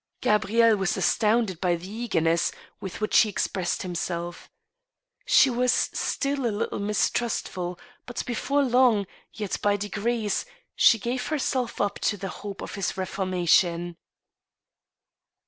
Gabrielle was astounded by the eagerness with which he ex pressed himself. She was still a little mistrustful, but, before long, yet by degrees she gave herself up to the hope of his reformation.